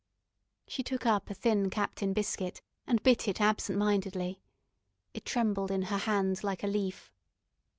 She took up a thin captain biscuit and bit it absent mindedly. It trembled in her hand like a leaf.